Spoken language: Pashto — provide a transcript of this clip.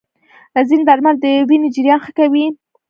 ځینې درمل د وینې جریان ښه کوي.